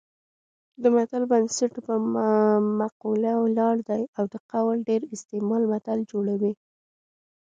د متل بنسټ پر مقوله ولاړ دی او د قول ډېر استعمال متل جوړوي